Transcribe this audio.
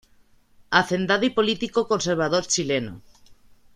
Hacendado y político conservador chileno.